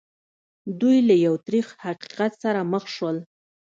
دوی له یو تریخ حقیقت سره مخ شول